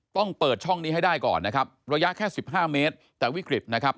ต้องเปิดช่องนี้ให้ได้ก่อนนะครับระยะแค่สิบห้าเมตรแต่วิกฤตนะครับ